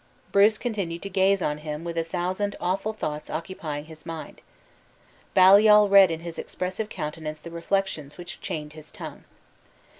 Bruce continued to gaze on him with a thousand awful thoughts occupying his mind. Baliol read in his expressive countenance the reflections which chained his tongue.